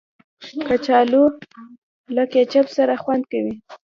کچالو له کیچپ سره خوند کوي